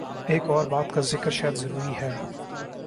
ایک اور بات کا ذکر شاید ضروری ہے۔